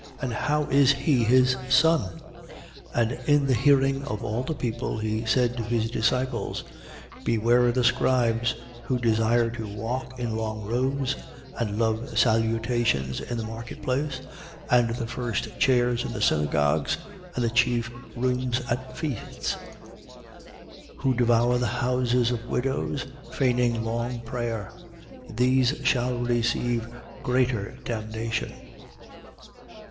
And how is he his son? 20:45. And in the hearing of all the people, he said to his disciples: 20:46. Beware of the scribes, who desire to walk in long robes and love salutations in the market place and the first chairs in the synagogues and the chief rooms at feasts: 20:47. Who devour the houses of widows, feigning long prayer. These shall receive greater damnation.